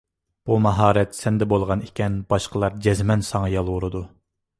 بۇ ماھارەت سەندە بولغان ئىكەن، باشقىلار جەزمەن ساڭا يالۋۇرىدۇ.